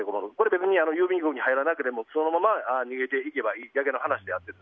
別に郵便局に入らなくてもそのまま逃げていけばいいだけの話であって。